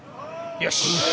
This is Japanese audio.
よし！